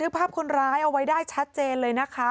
ภาพคนร้ายเอาไว้ได้ชัดเจนเลยนะคะ